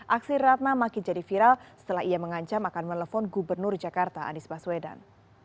aksi ratna makin jadi viral setelah ia mengancam akan menelpon gubernur jakarta anies baswedan